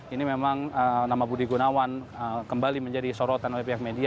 ini memang nama budi gunawan kembali menjadi sorotan oleh pihak media